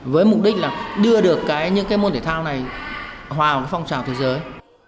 với mục đích là đưa được những cái môn thể thao này hòa với phong trào thế giới